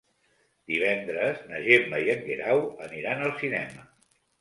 Divendres na Gemma i en Guerau aniran al cinema.